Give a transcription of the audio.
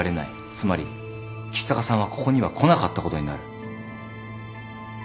つまり橘高さんはここには来なかったことになる。